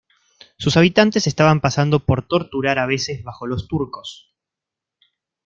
Sus habitantes estaban pasando por torturar a veces bajo los turcos.